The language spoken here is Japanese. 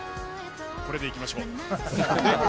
これでいきましょう。